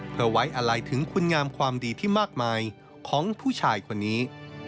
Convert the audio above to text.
เพื่อไว้อะไรถึงคุณงามความดีที่มากมายของผู้ชายคนนี้